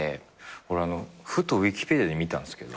俺あのふとウィキペディアで見たんですけど。